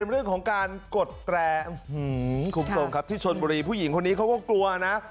เรื่องของการกดแตรคุณผู้ชมครับที่ชนบุรีผู้หญิงคนนี้เขาก็กลัวนะ